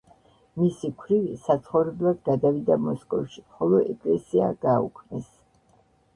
მისი ქვრივი საცხოვრებლად გადავიდა მოსკოვში, ხოლო ეკლესია გააუქმეს.